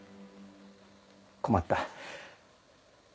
困った。